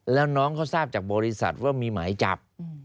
แล้วน้องเขาทราบจากบริษัทว่ามีหมายจับ